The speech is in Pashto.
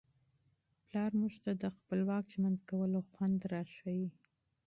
پلار موږ ته د خپلواک ژوند کولو خوند را ښيي.